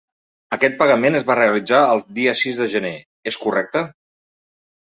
Aquest pagament es va realitzar el dia sis de gener, és correcte?